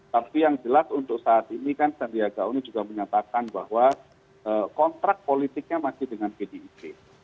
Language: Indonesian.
tapi yang jelas untuk saat ini kan sandiaga uno juga menyatakan bahwa kontrak politiknya masih dengan pdip